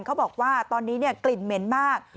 เขาบอกว่าตอนนี้กลิ่นเหม็นมาก